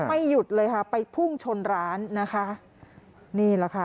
ไม่หยุดเลยค่ะไปพุ่งชนร้านนะคะนี่แหละค่ะ